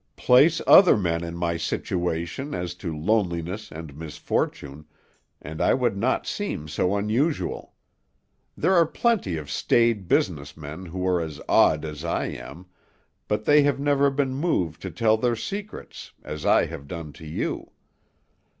Place other men in my situation as to loneliness and misfortune, and I would not seem so unusual. There are plenty of staid business men who are as 'odd' as I am, but they have never been moved to tell their secrets, as I have done to you.